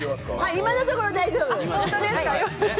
今のところ大丈夫。